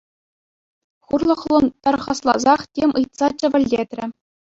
Хурлӑхлӑн тархасласах тем ыйтса чӗвӗлтетрӗ.